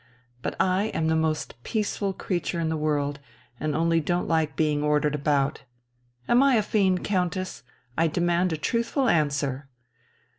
But I am the most peaceful creature in the world, and only don't like being ordered about. Am I a fiend, Countess? I demand a truthful answer."